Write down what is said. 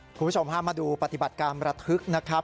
คุณผู้ชมพามาดูปฏิบัติการระทึกนะครับ